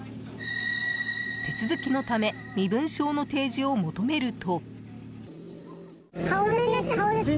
手続きのため身分証の提示を求めると。